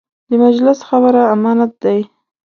د مجلس خبره امانت دی.